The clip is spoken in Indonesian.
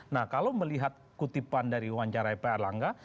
nah kalau melihat kutipan dari wawancarai pak erlangga